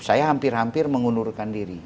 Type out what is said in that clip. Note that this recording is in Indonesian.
saya hampir hampir mengundurkan diri